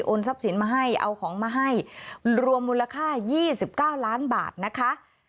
ทรัพย์สินมาให้เอาของมาให้รวมมูลค่า๒๙ล้านบาทนะคะ